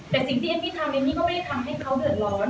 แต่สิ่งที่เอมมี่ทำเอมมี่ก็ไม่ได้ทำให้เขาเดือดร้อน